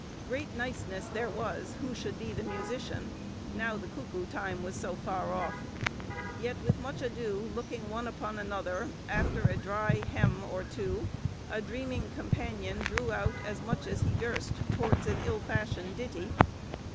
Great nicenesse there was, who should bee the musician, now the cuckow time was so farre off. Yet, with much adoe, looking one upon another, after a dry hemme or two, a dreaming companion drew out as much as hee durst, towards an ill fashioned ditty.